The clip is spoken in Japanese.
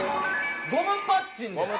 ゴムパッチンです。